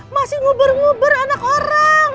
masih nguber nguber anak orang